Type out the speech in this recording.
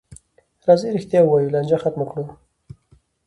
راځئ رښتیا ووایو، لانجه ختمه کړو.